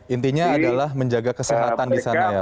intinya adalah menjaga kesehatan di sana ya